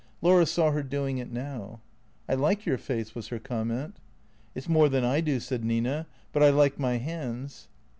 Laura saw her doing it now. " I like your face," was her comment. " It 's more than I do," said Nina. " But I like my hands.''